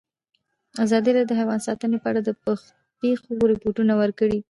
ازادي راډیو د حیوان ساتنه په اړه د پېښو رپوټونه ورکړي.